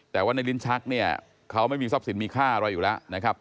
แต่ว่าในลิ้นชักเนี่ยเขาไม่มีทรัพย์สินมีค่าอะไรอยู่แล้วนะครับ